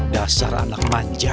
dasar anak manja